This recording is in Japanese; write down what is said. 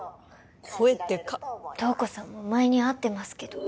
声でかっ瞳子さんも前に会ってますけど